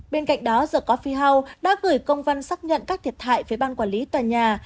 bên cạnh đó the coffee house đã gửi công văn xác nhận các thiệt thại với ban quản lý tòa nhà